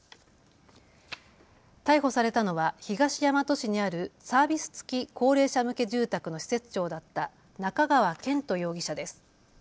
逮捕されたのは東大和市にあるサービス付き高齢者向け住宅の施設長だった中川健斗容疑者です。